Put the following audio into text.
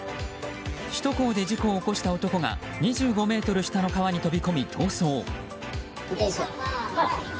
首都高で事故を起こした男が２５ｍ下の川に飛び込み逃走。